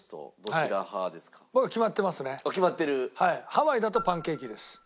ハワイだとパンケーキです。